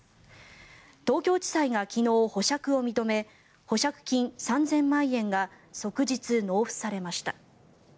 東京地裁が昨日、保釈を認め保釈金３０００万円が即日納付されました。